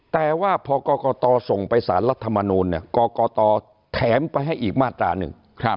แต่ว่าพอกรกตส่งไปสารรัฐมนูลกรกตแถมไปให้อีกมาตราหนึ่ง